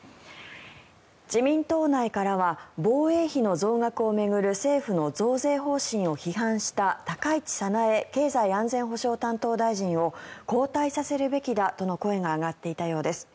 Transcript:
自民党内からは防衛費の増額を巡る政府の増税方針を批判した高市早苗経済安全保障担当大臣を交代させるべきだとの声が上がっていたようです。